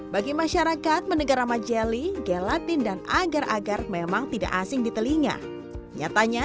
bagi masyarakat mendengar majeli gelatin dan agar agar memang tidak asing di telinga nyatanya